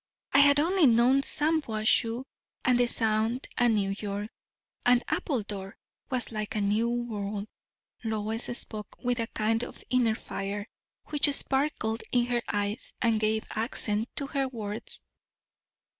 I had only known Shampuashuh and the Sound and New York; and Appledore was like a new world." Lois spoke with a kind of inner fire, which sparkled in her eyes and gave accent to her words.